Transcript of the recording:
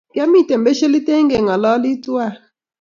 Kiamiten pesho Litein kengalalak tuan